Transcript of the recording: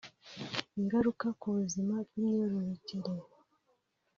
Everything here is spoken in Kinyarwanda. Ingaruka ku buzima bwimyororokere